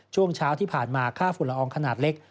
ช่วงเช้าที่ผ่านมาค่าฝุ่นละอองขนาดเล็ก